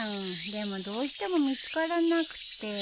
でもどうしても見つからなくて。